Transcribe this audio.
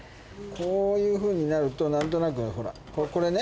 こういうふうになると何となくほらこれね。